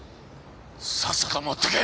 さっさと持ってけ！